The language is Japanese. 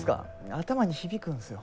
頭に響くんすよ。